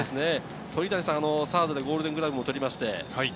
鳥谷さんはサードでゴールデングラブも取りました。